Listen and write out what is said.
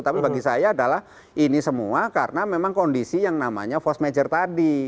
tapi bagi saya adalah ini semua karena memang kondisi yang namanya force major tadi